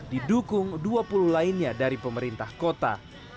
didukung dua puluh lainnya dari pemerintah kota